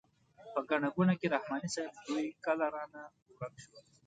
په ګڼه ګوڼه کې رحماني صیب دوی کله رانه ورک شول.